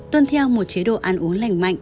tuân theo một chế độ ăn uống lành mạnh